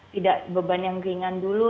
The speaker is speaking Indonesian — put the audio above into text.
tidak beban yang ringan dulu